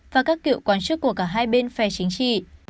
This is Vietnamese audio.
và các kiệu quan chức của cả hai bên phe chính trị